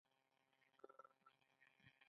آیا چې پوهیدل پرې پکار نه دي؟